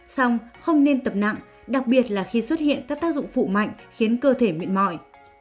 xong không nên tập nặng đặc biệt là khi xuất hiện các tác dụng phụ mạnh khiến cơ thể mệt mỏi